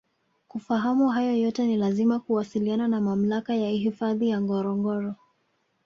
Kufahamu hayo yote ni lazima kuwasiliana na Mamlaka ya Hifadhi ya Ngorongoro